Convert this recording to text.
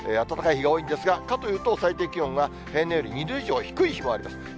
暖かい日が多いんですが、かというと、最低気温が平年より２度以上低い日もあります。